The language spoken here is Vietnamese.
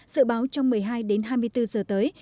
dự báo trong một mươi hai đến hai mươi bốn giờ tới